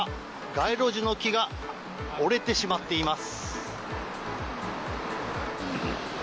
街路樹の木が折れてしまっています。